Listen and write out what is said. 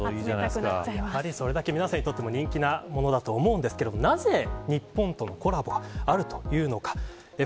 それだけ皆さんにとても人気なものだと思うんですけどなぜ日本とのコラボがあるというのか。